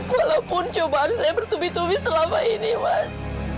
walaupun cobaan saya bertubi tubi selama ini mas